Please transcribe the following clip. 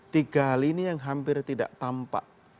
tiga hal ini yang hampir tidak tampak